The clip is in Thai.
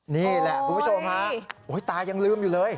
นี่แหละคุณผู้ชมฮะตายังลืมอยู่เลย